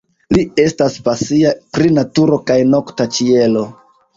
Li estas pasia pri naturo kaj nokta ĉielo.